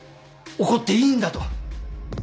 怒っていいんだと